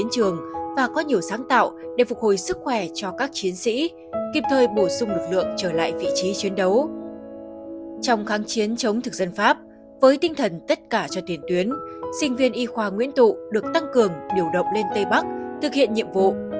trong kháng chiến chống thực dân pháp với tinh thần tất cả cho tiền tuyến sinh viên y khoa nguyễn tụ được tăng cường điều động lên tây bắc thực hiện nhiệm vụ